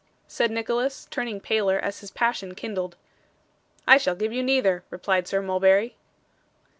said Nicholas, turning paler as his passion kindled. 'I shall give you neither,' replied Sir Mulberry.